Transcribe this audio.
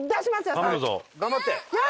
頑張って！